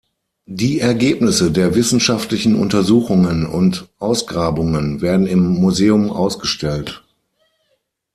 Die Ergebnisse der wissenschaftlichen Untersuchungen und Ausgrabungen werden im Museum ausgestellt.